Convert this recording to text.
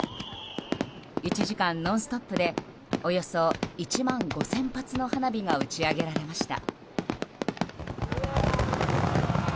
１時間、ノンストップでおよそ１万５０００発の花火が打ち上げられました。